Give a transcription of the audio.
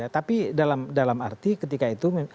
tapi dalam arti ketika itu